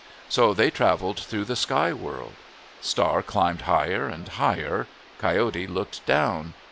So they travelled through the sky world. Star climbed higher and higher. Coyote looked down.